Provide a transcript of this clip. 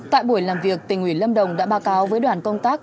tại buổi làm việc tỉnh ủy lâm đồng đã báo cáo với đoàn công tác